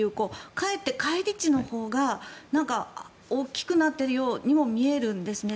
かえって返り血のほうが大きくなっているようにも見えているんですね。